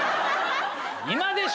「今でしょ！」